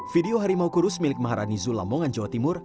video harimau kurus milik maharani zulamongan jawa timur